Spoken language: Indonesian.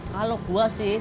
kalau gua sih